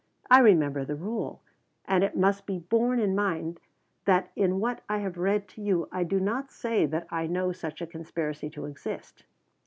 I remember the rule, and it must be borne in mind that in what I have read to you, I do not say that I know such a conspiracy to exist.